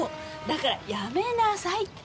だからやめなさいって。